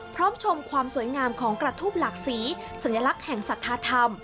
ชมความสวยงามของกระทูบหลักสีสัญลักษณ์แห่งศรัทธาธรรม